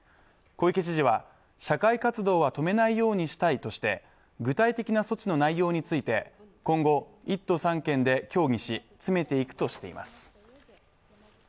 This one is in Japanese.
小池知事は、社会活動は止めないようにしたいとして、具体的な措置の内容について、今後１都３県で協議し、詰めていくとしています。